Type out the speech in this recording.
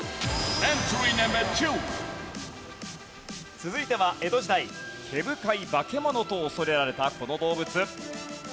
続いては江戸時代毛深いバケモノと恐れられたこの動物。